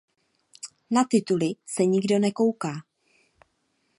Na tituly se nikdo nekouká.